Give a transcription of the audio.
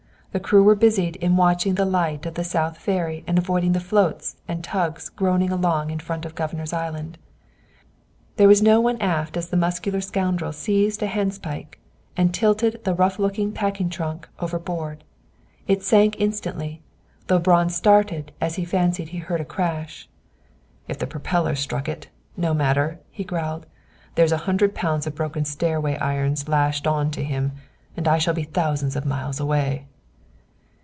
The crew were busied in watching the light of the South Ferry and avoiding the floats and tugs groaning along in front of Governor's Island. There was no one aft as the muscular scoundrel seized a handspike and tilted the rough looking packing trunk overboard. It sank instantly, though Braun started as he fancied he heard a crash. "If the propeller struck it, no matter," he growled. "There's a hundred pounds of broken stairway irons lashed on him. And I will soon be thousands of miles away."